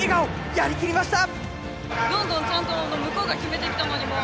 やりきりました！